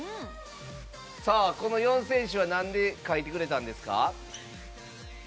この４選手は、なんで描いてくれたんですか？